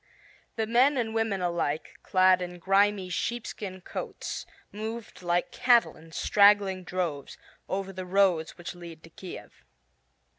The men and women alike, clad in grimy sheepskin coats, moved like cattle in straggling droves, over the roads which lead to Kiev.